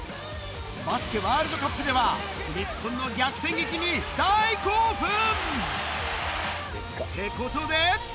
バスケワールドカップでは、日本の逆転劇に大興奮。ってことで。